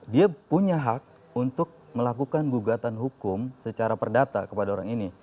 dia punya hak untuk melakukan gugatan hukum secara perdata kepada orang ini